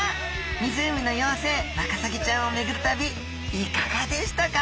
湖の妖精ワカサギちゃんをめぐる旅いかがでしたか？